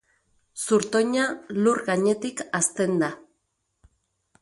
Zurtoina lur gainetik hazten da.